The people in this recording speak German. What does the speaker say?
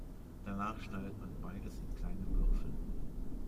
Danach schneidet man beides in kleine Würfel.